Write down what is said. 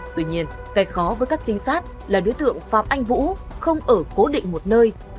tuy nhiên cách khó với các trinh sát là đối tượng phạm anh vũ không ở cố định một nơi